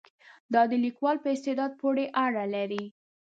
دا د لیکوال په استعداد پورې اړه لري.